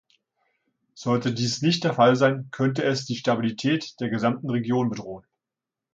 Sollte dies nicht der Fall sein, könnte es die Stabilität der gesamten Region bedrohen.